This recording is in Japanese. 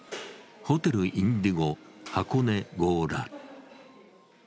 ホテルインディゴ箱根強羅。